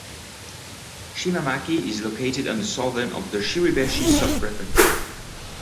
Shimamaki is located on the southern of the Shiribeshi Subprefecture.